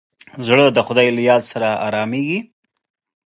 زړه د خدای له یاد سره ارامېږي.